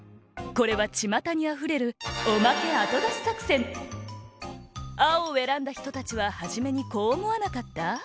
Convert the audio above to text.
これはちまたにあふれるあおをえらんだひとたちははじめにこうおもわなかった？